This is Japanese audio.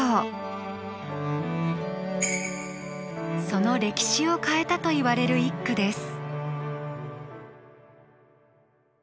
その歴史を変えたといわれる一句です。